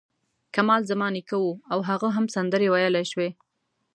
کمال زما نیکه و او هغه هم سندرې ویلای شوې.